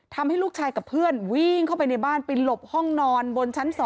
ทำให้ลูกชายกับเพื่อนวิ่งเข้าไปในบ้านไปหลบห้องนอนบนชั้น๒